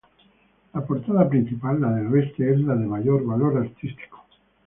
La portada principal, la del oeste, es la de mayor valor artístico.